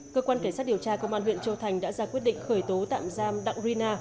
cơ quan cảnh sát điều tra công an huyện châu thành đã ra quyết định khởi tố tạm giam đặng rina